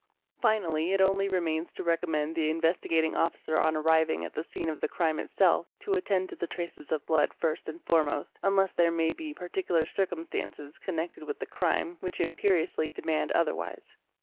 Finally it only remains to recommend the Investigating Officer on arriving at the scene of the crime itself to attend to the traces of blood first and foremost, un less there may be particular circumstances connected with the crime which imperiously demand otherwise.